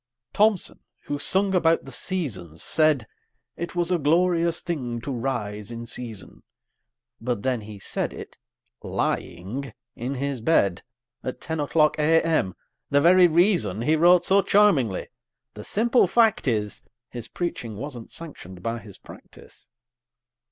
Thompson, who sung about the "Seasons," said It was a glorious thing to rise in season; But then he said it lying in his bed, At ten o'clock A.M., the very reason He wrote so charmingly. The simple fact is His preaching wasn't sanctioned by his practice.